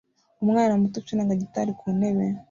Umwana muto ucuranga gitari ku ntebe